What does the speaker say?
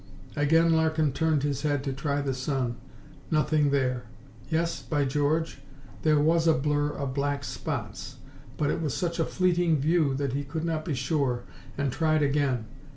Again Larkin turned his head to try the sun. Nothing there ... yes, by George! there was a blur of black spots. But it was such a fleeting view that he could not be sure, and tried again.